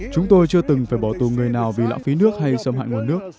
chúng tôi chưa từng phải bỏ tù người nào vì lãng phí nước hay xâm hại nguồn nước